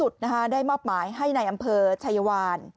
ได้มอบหมายให้ในอำเภอชายวาน